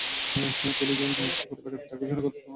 ভুলে যেয়ো না, একটা পরিবারের দেখাশোনা করতে হবে তোমায়।